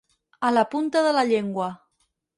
A la punta de la llengua.